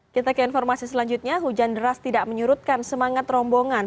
kita ke informasi selanjutnya hujan deras tidak menyurutkan semangat rombongan